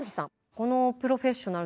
この「プロフェッショナル」